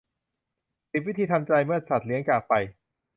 สิบ วิธีทำใจเมื่อสัตว์เลี้ยงจากไป